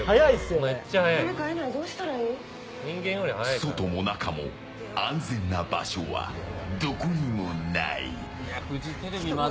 外も中も安全な場所はどこにもない。